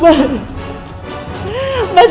mas aku disayang banget